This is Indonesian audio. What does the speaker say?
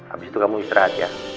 habis itu kamu istirahat ya